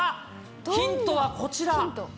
ヒントはこちら。